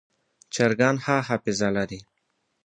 چرګان ښه حافظه لري.